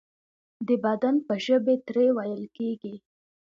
د بدن په ژبې ترې ویل کیږي.